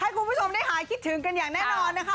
ให้คุณผู้ชมได้หายคิดถึงกันอย่างแน่นอนนะคะ